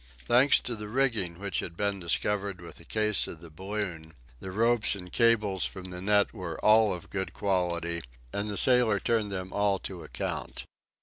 Thanks to the rigging which had been discovered with the case of the balloon, the ropes and cables from the net were all of good quality, and the sailor turned them all to account.